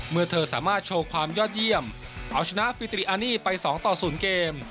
เมื่อเธอสามารถโชว์ความยอดเยี่ยมเอาชนะฟิตรีอานี่ไป๒ต่อ๐เกม